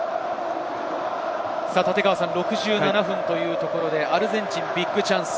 ６７分というところで、アルゼンチンのビッグチャンス。